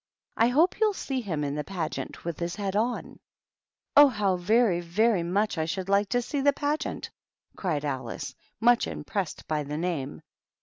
I hope you'll see him in the Pageant with his head on." i " Oh, how very, vta y much I should like to see ' the Pageant 1" cried Alice, much impressed by the name.